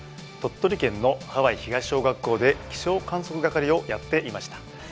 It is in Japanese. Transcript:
鳥取県の羽合東小学校で気象観測係をやっていました。